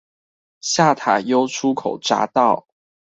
下塔悠出口匝道